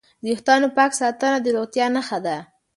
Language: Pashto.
د وېښتانو پاک ساتنه د روغتیا نښه ده.